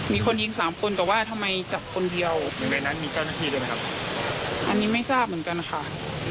มีคนยิงสามคนแต่ว่าทำไมจับคนเดียวอันนี้ไม่ทราบเหมือนกันค่ะ